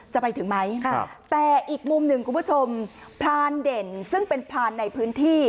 จะไปถึงไหมแต่อีกมุมหนึ่งคุณผู้ชมพรานเด่นซึ่งเป็นพรานในพื้นที่